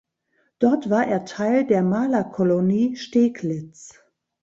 Dort war er Teil der Malerkolonie Steglitz.